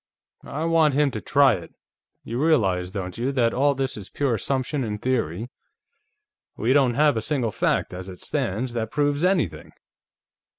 "I want him to try it. You realize, don't you, that all this is pure assumption and theory? We don't have a single fact, as it stands, that proves anything.